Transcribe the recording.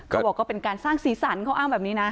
เขาบอกก็เป็นการสร้างสีสันเขาอ้างแบบนี้นะ